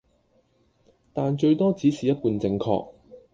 但最多只是一半正確